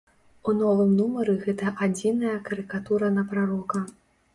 У новым нумары гэта адзіная карыкатура на прарока.